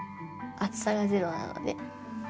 厚さがゼロなので。